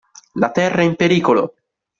La Terra è in pericolo!